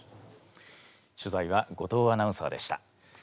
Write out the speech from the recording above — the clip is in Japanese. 取材は後藤アナウンサーでした。